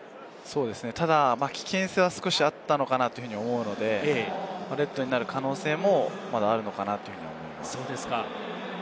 ただ危険性は少しあったのかなと思うので、レッドになる可能性もまだあるのかなと。